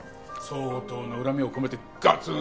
相当な恨みを込めてガツン！